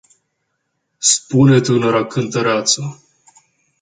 Spune tânăra cântăreață.